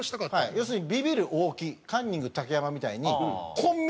要するに「ビビる大木」「カンニング竹山」みたいに。